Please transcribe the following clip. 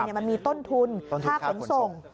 มันมีต้นทุนค่าขนส่ง